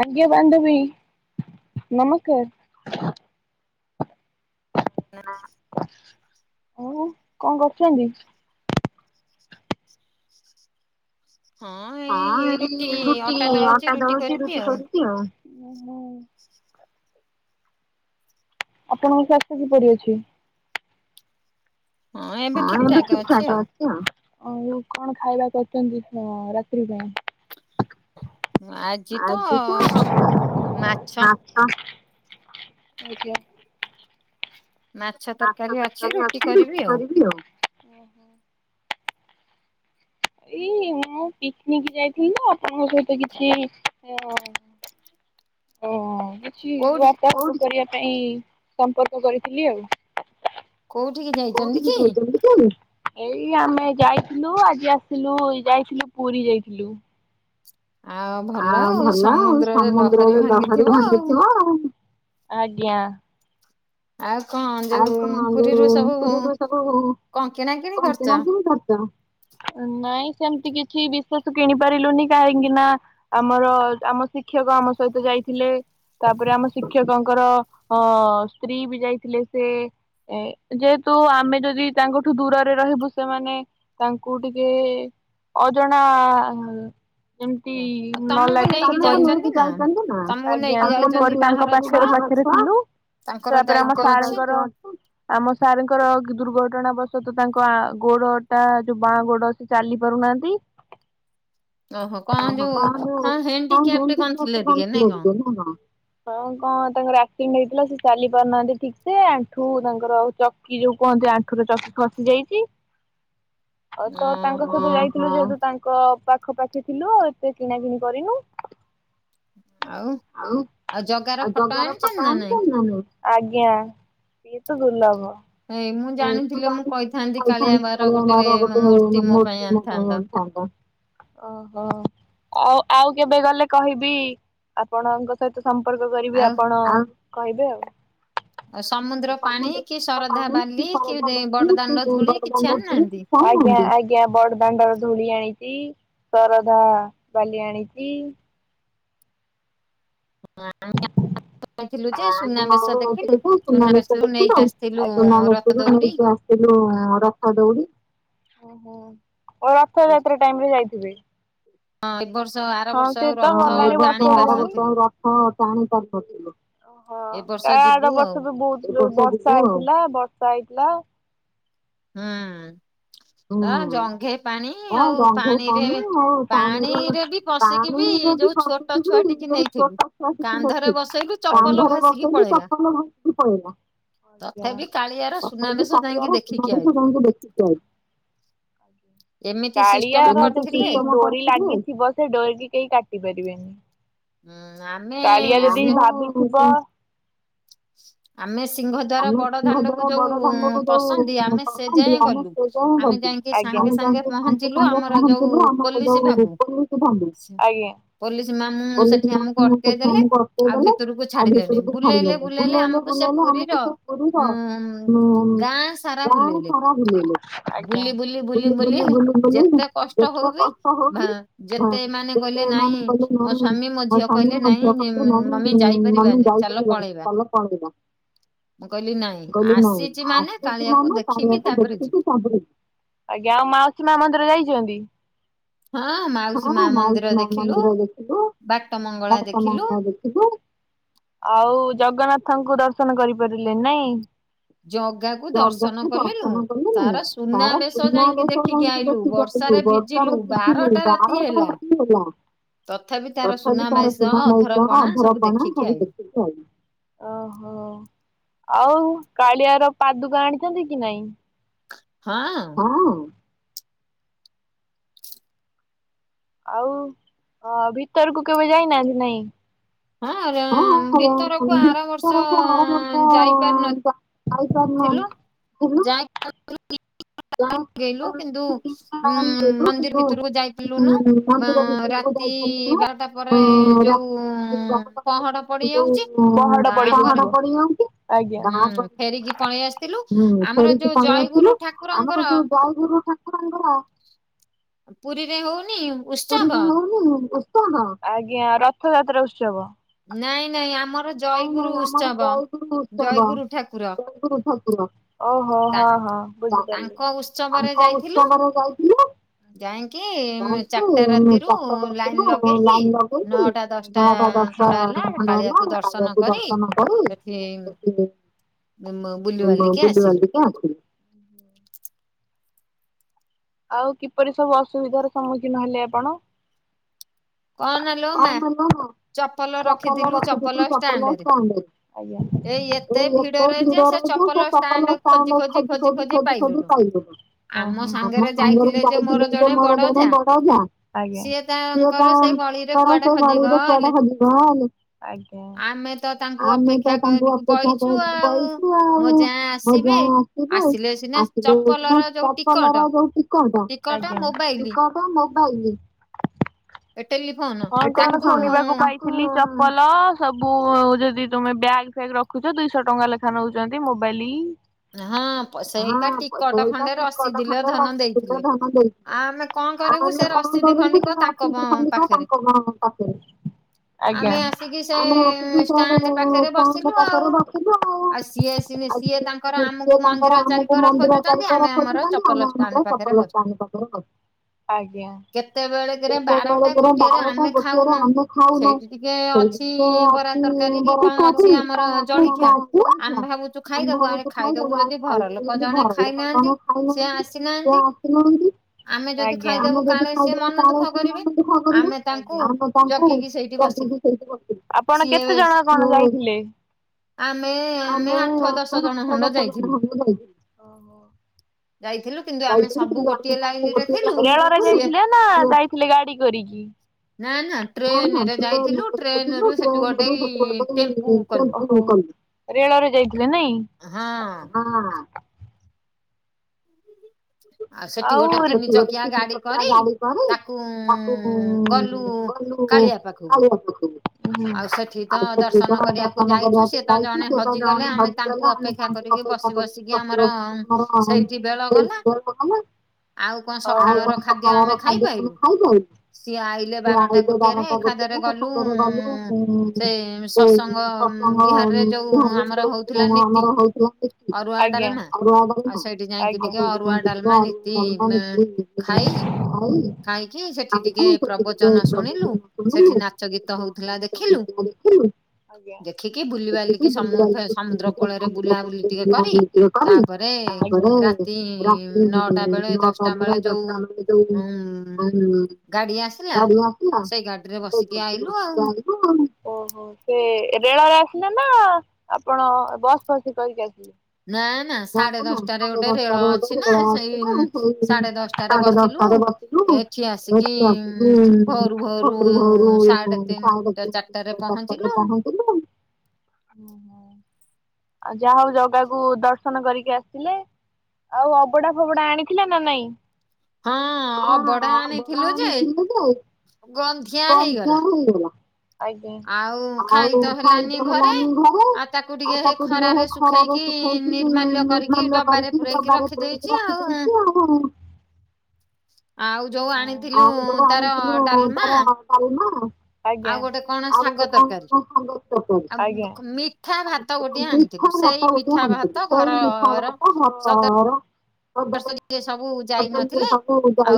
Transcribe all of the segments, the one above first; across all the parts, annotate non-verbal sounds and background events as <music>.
ଆଜ୍ଞା ବାନ୍ଧବୀ ନମସ୍କାର। <inaudible> ହ କଣ କରୁଛନ୍ତି? ହଁ ଏ ରୁଟି ଅଟା ଦଳୁଛି ରୁଟି କରୁଛି ଆଉ। ଆପଣଙ୍କ ସ୍ୱାସ୍ଥ୍ୟ କିପରି ଅଛି? ହଁ ଏବେ ଠିକଠାକ୍ ଅଛି ଆଉ ଆଉ କଣ ଖାଇବା କରିଛନ୍ତି ହ ରାତ୍ରି ପାଇଁ? ଆଜି ତ ହ ଆଜ୍ଞା ମାଛ ତରକାରୀ ଅଛି ରୁଟି କରିବି ଆଉ। ହୁଁ ହୁଁ ଏଇ ମୁଁ ପିକନିକ ଯାଇଥିଲି ତା ଆପଣଙ୍କ ସହିତ କିଛି ହିଁ ଓ କିଛି ଗପ କରିବା ପାଇଁ ସମ୍ପର୍କ କରିଥିଲି ଆଉ। କୋଉଠି ଯାଇ କୋଉଠି କି ଯାଇଛନ୍ତି? ଏଇ ଆମେ ଯାଇଥିଲୁ ଆଜି ଆସିଲୁ ଯାଇଥିଲୁ ପୁରୀ ଯାଇଥିଲୁ। ଆଉ ଭଲ ସମୁଦ୍ରରେ ଲହରି ଭାଙ୍ଗିଥିବ ଆଜ୍ଞା। ଆଉ କଣ ଯୋଉ ପୁରୀରୁ ସବୁ ହ କଣ କିଣା କିଣି କରିଛ। ନାଇଁ ସେମିତି କିଛି ବିଶେଷ କିଣି ପାରିଲୁନି। କାହିଁକି ନା ଆମର ଆମ ଶିକ୍ଷକ ଆମ ସହିତ ଯାଇଥିଲେ। ତାପରେ ଆମ ଶିକ୍ଷକଙ୍କର ଅ ସ୍ତ୍ରୀ ବି ଯାଇଥିଲେ। ସେ ଏ ଯେହେତୁ ଆମେ ଯଦି ତାଙ୍କଠୁ ଦୂରରେ ରହିବୁ ସେମାନେ ତାଙ୍କୁ ଟିକେ ଅଜଣା। ଏମିତି ନ ଲାଗେ ଆଜ୍ଞା। ତାଙ୍କ ପାଖରେ ଥିଲୁ ତାପରେ ଆମ ସାର୍ଙ୍କର ଆମ ସାର୍ଙ୍କର ଦୁର୍ଘଟଣା ବଶତଃ ତାଙ୍କ ଗୋଡ ଟା ଯୋଉ ବାଁ ଗୋଡ। ଚାଲି ପାରୁନାହାନ୍ତି। ଓହୋ କଣ ଯୋଉ <unintelligible> ନା କଣ? ହଁ କଣ ତାଙ୍କର ଆକ୍ଟିଂ ହେଇଥିଲା ସେ ଚାଲି ପାରୁନାହାନ୍ତି ଠିକ୍ ସେ ଆଣ୍ଠୁ ତାଙ୍କର ଆଉ ଚକି ଯୋଉ କୁହନ୍ତି ଆଣ୍ଠୁ ର ଚକି ଖସିି ଯାଇଛି। ତ ତାଙ୍କ ସହିତ ଯାଇଥିଲୁ ଯେହେତୁ ତାଙ୍କ ପାଖ ଆଖ ପାଖେ ଥିଲୁ। ଆଉ ଏତେ କିଣାକଣି କରିନୁ। ଆଉ ଆଉ ଜଗାର ପଟ ଆଣିଛନ୍ତି ନା ନାଇଁ ଆଜ୍ଞା। ସିଏତ ଦୃଲଭ। କହିଥାନ୍ତି ଆମର ଗୋଟେ ମୂର୍ତ୍ତି ମୋ ପାଇଁ ଆଣିଥାନ୍ତ। ଓହୋ ଆଉ ଆଉ କେବେ ଗଲେ କହିବି। ଆପଣଙ୍କ ସହିତ ସମ୍ପର୍କ କରିବି ଆପଣ କହିବେ ଆଉ। ଆଜ୍ଞା ଆଜ୍ଞା। ଆଜ୍ଞା ବଡ ଦାଣ୍ଡର ଧୂଳି ଆଣିଛି ଶରଧା ବାଲି ଆଣିଛି। ମୁଁ ଆଁ ହ ନାଇଁ ମ ମୁଁ କଣ କହୁଥିଲିକି ସୁନା ବେଶ ଦେଖିଲୁ ସୁନା ବେଶ <unintelligible> ସେ ଯୋଉ ରଥ ଦୋଉଡି। ହଁ ସେ ତ ଗଲାଣି ବର୍ଷେ ହେଲାଣି। ଓହୋ କା ଆଡ ବର୍ଷ ବି ବହୁତ ବର୍ଷା ହେଇଥିଲା ବର୍ଷା ହେଇଥିଲା। ହୁଁ ହାଁ ଜଙ୍ଘେ ପାଣି। ହଁ ଜଙ୍ଘେ ପାଣି ଆଉ ପାଣିରେ ପାଣିରେ ବି ପସିଥିବି ଯୋଉ ଛୋଟ ନେଇଥିଲି କାନ୍ଧରେ ବସେଇଲି ଚପଲ ଭାସିକି ପଳେଲା। ଆଜ୍ଞା <unintelligible> ଆଜ୍ଞା। କାଳିଆ ଡୋରି ଲାଗଥିବ ସେ ଡରିକି କେହି କାଟି ପାରିବେନି। କାଳିଆ ଯଦି ଭାବିଥିବ। ଆମେ ସିଂହଦଳ ବଡ ଧାଣ୍ଡକୁ ଯୋଉ ପସନ୍ତି ଆମେ ସେଇ ଆଜ୍ଞା ଆଜ୍ଞା। ପୋଲିସ ମାନନେ ସେଠି ଆମକୁ ଅଟକେଇଦଲେ ଆଉ ଭିତରକୁ ଛାଡିଦେଲେ। ବୁଲେଇଲେ ବୁଲେଇଲେ ଆମକୁ ସେ ପୁରୀର ଗାଁ ସାରା ଆଜ୍ଞା। ହଁ <unintelligible> ମାନେ ଯାଇପାରିବ ତମେ କଣ ଦବ? ମୁଁ କଇଲି ନାଇଁ। ମୁଁ କଇଲି ନୋ ଆସୁଚି ମାନେ କାମକୁ ଦେଖିକି ତା ପରେ ଆଜ୍ଞା ଆଉ ମାଉସୀ ମାଆ ମନ୍ଦିର ଯାଇଛନ୍ତି? ହଁଅ ମାଉସୀ ମାଆ ମନ୍ଦିର ଦେଖିଲୁ ବାଟ ମଙ୍ଗଳା ଦେଖି ଦେଖିଲୁ ଆଉ ଜଗନ୍ନାଥଙ୍କୁ ଦର୍ଶନ କରିପାରିଲେନି ନାଇଁ? ଜାଗା କୁ ଦର୍ଶନ କଲୁନୁ ତାର ସୁନା ବେସ ଯାଇଁକି ଦେଖିକି ଆଇ ଥିଲୁ ବର୍ଷାରେ ତିନ୍ତିଲୁ ବାର କଣ ଆଜି ହେଲା? ତଥାବି ତାର ସୁନାମୋଉଗଣା ଅଧରପଣା ସବୁ ଦେଖିଲୁ। ଓହୋ। ଆଉ କାଳିଆର ପାଦୁକା ଆଣିଚନ୍ତି କି ନାଇଁ? ହଅଁ। ଆଉ ଅ ଭିତରକୁ କେବେ ଯାଇନାହାନ୍ତି ନାଇଁ? ହଁ ହଁ ଭିତରକୁ ଆରବର୍ଷ ଯା <unintelligible> <unintelligible> <inaudible> କିନ୍ତୁ ଉଁ ମନ୍ଦିର୍ ଭିତରକୁ ଯାଇ ପାରଲୁନା। ବାଆଁ ଆଉ ରାତି ବାରଟା ପରେ ଯୋଉ ପହଡ ସେ ଯୋଉ ପହଡ ପଡିଯାଉଚି ତା ପର ପଳେଆସଥିଲୁ ଆମର ଯୋଉ ଜୟଗୁରୁ ଠା ଆମର ଯୋଉ ଜୟଗୁରୁ ଠାକୁରଙ୍କର ପୁରୀରେ ହୋଉନି ଉଁ ପୁରୀରେ ହୋଉନି ଉତ୍ସବ ନାଇଁ ନାଇଁ ଆମର ଜୟଗୁରୁ ଉତ୍ସବ ଜୟଗୁରୁ ଠାକୁର। ଓହୋ ହଁ ହଁ ବୁଝିପାରିଲି। ଯାଇଁକି ମେ ଚାରଟା ରାତିରୁ ଲାଇନ୍ ଲଗେଇକି ନଅଟା ଦଶଟା ଖଣ୍ଡ ହେଲା ହେ କାଳିଆକୁ ଦର୍ଶନ କରି ଏଠି ଏ ମୋ ବୁଲିବାଲିକି ଆସିଲୁ। ଆଉ କିପରି ସବୁ ଅସୁବିଧାର ସମ୍ମୁଖୀନ ହେଲେ ଆପଣ? କହନା ଲୋ ମାଆ ଚପଲ ରଖିଥିଲୁ ଚପଲ ଷ୍ଟାଣ୍ଡରେ ଏଇ ଏତେ ଭିଡରେ ଯେ ସେ ଚପଲ ଷ୍ଟାଣ୍ଡେ ଖୋଜି ଖୋଜି ଖୋଜି ଖୋଜି ପାଇଲୁନୁ। ଆମ ସାଙ୍ଗରେ ସାଙ୍ଗରେ ଯାଇଥିଲେ ଯୋଉ ମୋର ବଡ ବଡ ଯାଆ ସିଏ ପା ତାଙ୍କର ସେ ଗଳିରେ କୁଆଡେ ହଜିଗଲେ ଆମେ ତ ତାଙ୍କୁ ଅ ପେକ୍ଷା କରିକି ବଇଚୁ ଆଉ ମୋ ଯାଆ ଆସିବେ ଆସିଲେ ଯାଇକିନା ଚ କଲର ଯୋଉ ଟିକଟ, ଟିକଟ ମୋବାଇଲି ଏ ଟେଲିଫୋନ ତାକୁ କୁଲି ଚପଲ ସବୁ ଯଦି ତମେ ବ୍ୟାଗ୍ ଫ୍ୟାଗ୍ ରଖୁଚ ଦୁଇଶ ଟଙ୍କା ଲେଖ୍ ଖା ନୋଉଚନ୍ତି ମୋବାଇଲି। ହଁ ଆ ତୋର ପା ଟିକଟ ଖଣ୍ଡେ ରଖିଥିଲେ ଧନ ଦେଇ ଆମେ କଣ କରିବୁ ସେ ରସିଦି ଖଣ୍ଡିକ ତାଙ୍କ ମାନଙ୍କ ପାଖରେ। ଆମେ ରସିଦି ସହ ଷ୍ଟାଣ୍ଡ ପାଖରୁ ରଖିଲୁ ଆଉ। ଦିନେ ସିଏ ତା ଙ୍କୁ ସିଏ ତାଙ୍କର ଆମକୁ ମନ୍ଦିର ଚାରିକର ଖୋଜୁଚନ୍ତି ଆମେ ଆମର ଚପଲ ଷ୍ଟାଣ୍ଡ ପାଖରେ ବ ଦେବାଦୋଳ ଯୋରନ୍ଦା ଆମେ ପା ଗୋଟିଏରେ ଆମ୍ବ ଖାଉନୋଉ <unintelligible> <unintelligible> ଖାଇଦୋବୁ ଆଉ ଖାଇଲୁନି ଘରେ ତ ଯାହା ଖାଇନୋଉ ବି ସିଏ ଆସିନାହାନ୍ତି ଆମେ ଯଦି ଖାଇଦୋବୁ କାଳେ ସେ ମନଦୁଃଖ କରିବ। ଆଜ୍ଞା ଆପଣ କେତେ ଜଣ କଣ ଯାଇଥିଲେ? ଆମେ ଆମେ ଆଠ ଦଶ ଜଣ। ଖଣ୍ଡ ଯାଇଥିଲୁ ଯାଇଥିଲୁ ମେଳରେ ଯାଇଥିଲେ ନା ଯାଇଥିଲେ ଗାଡି କରିକି? ନା ନା ଟ୍ରେନରେ ଯାଇଥିଲୁ ଟ୍ରେନରୁ <unintelligible> ରେଳରେ ଯାଇଥିଲେ ନାଇଁ? <unintelligible> ସିଏ ଗୋଟେ ତିନି ଚକିଆ ଗାଡି କରି ତାକୁ ଗଲୁ। କାଳିଆ ପୋଖରୀ ଆଉ ସେ <unintelligible> ଦର୍ଶନ କରିବାକୁ ଯାଇଚି ସିଏ ତ ଜଣେ ହଜିଗଲା ଆମେ ତାଙ୍କୁ ଅପେକ୍ଷା କରିକି ବସି ରହିଚୁ <unintelligible> ଆଉ କଣ ସଖାଳର ଖାଦ୍ୟ ପୁଣି ଖାଇଲୁ? ଇଏ ଆଇଲେ ବାରଟା ଗୋଟେରେ ସାଙ୍ଗରେ ଗଲୁ। ସେ ସତସଙ୍ଗ <unintelligible> ଆମର ହୋଉଥିଲା <unintelligible> ଆଜ୍ଞା ଆଜ୍ଞା। <unintelligible> ଖାଇକି ସେଠି ଟିକେ ପ୍ରବଚନ ଶୁଣିଲୁ ସେଠି ନାଚ ଗୀତ ହଉଥିଲା ଦେଖିଲୁ। ଆଜ୍ଞା ଦେଖିକି ବୁଲିବାଲିକି <unintelligible> ଇଏ କହି ତାପରେ ରାତି ନଅଟା ଅଧେ ଦଶଟା ଅ ତ ଗାଡି ଗାଡି ଆସିଲା <unintelligible> <unintelligible> ଓହୋ ଏବେ ରେଳରେ ଆସିଲେ ନା ଆପଣ ବସ୍ ଫସ୍ କରିକି ଆସିଲେ। <unintelligible> ସାଢ଼େ ଦଶଟା ରେ ସାଢ଼େ ଦାଷ୍ଟାରେ ବସିଲୁ ଏଠି ଆସିକି ଭରୁ ଭାରୁ ସାଢ଼େ ଚାର୍ଟା ରେ ପହ <inaudible> ଆଉ ଯାହା ହଉ ଜାଗାକୁ ଦର୍ଶନ କରିକି ଆସିଲେ ଆଉ ଅବଡା ଫବଡା ଆଣିଥିଲେ ନା ନାଇଁ। ହଁ ଅବଡା ଆଣି ଥିଲୁ ଯେ ବଉ ଗନ୍ଧିଆ ହେଇଗଲା। ଆଉ ଖାଇ ତ ହେଲାନି ଘରେ ଆ ତାକୁ ଟିକେ ହେଇ ଖରାରେ ଶୁଖେଇକି ନିର୍ମାଲ୍ୟ କରିକି ଡବାରେ ପୁରଇକି ରଖିଦେଇଛି ଆଉ। ଆଉ ଯୋଉ ଆଣିଥିଲୁ ତାର ଡ଼ାଲ୍ମା ଆଜ୍ଞା <unintelligible>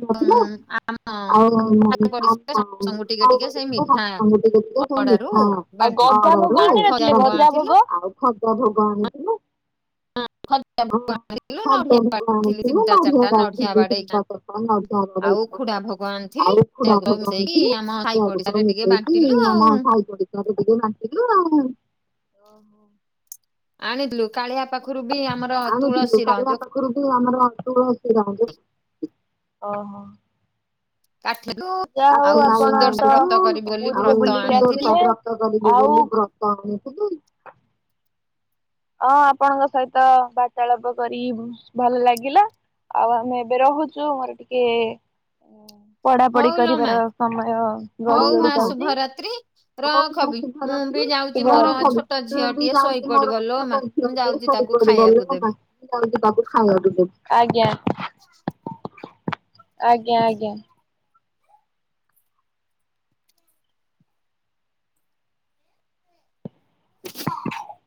ଆଜ୍ଞା। <unintelligible> <unintelligible> ଆଉ <unintelligible> ଆଉ ଗଜା ଭୋଗ ଆଣିନଥିଲେ ଗଜା ଭୋଗ। ହଁ <unintelligible> ଆଉ ଉଖୁଡା ଭୋଗ ଆଣିଥିଲେ ସେଇଆକୁ ସବୁ ମିଶେଇକି ଆମ ସାଇପ <unintelligible> ବାଣ୍ଟିଲୁ ଆଉ, <inaudible> ଆଣିଲୁ କାଳିଆ ପାଖରୁ ବି ଆମର ତୁଳସୀର ଯୋ ରୁ ବି ଆମର ଅଛି, ଓହୋ! <unintelligible> ଯା ହଉ ଆପଣ ତ ପୁରୀରେ ବୁଲିକି ଆସିଲେ ଆଉ। ଅ ଆପଣଙ୍କ ସହିତ ବାର୍ତ୍ତାଳପ କରି ଭଲ ଲାଗିଲା। ଆଉ ଆମେ ଏବେ ରହୁଛୁ ମୋର ଟିକେ ପଢା ପଢି କରିବାର ସମୟ ଗଡି ଗଡି ଯାଉଚି। ଶୁଭ ରାତ୍ରି <unintelligible> ମୁଁ ବି ଯାଉଛି ମୋର। ଗୋଟା ଇ ଝିଅ ଟିଏ ପଡି ପଡ଼ି ଗଲେ ତ ନାହିଁ। କହୁଛି ବାବୁ ଖାଇବାକୁ ଦେ ଆଜ୍ଞା, ଆଜ୍ଞା, ଆଜ୍ଞା। <unintelligible>